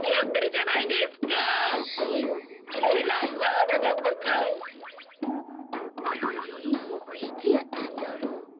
あれボクいつやったんだろう？